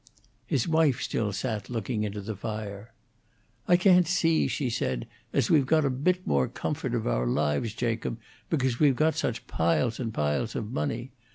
His wife still sat looking into the fire. "I can't see," she said, "as we've got a bit more comfort of our lives, Jacob, because we've got such piles and piles of money.